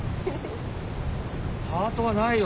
ハートがないよ。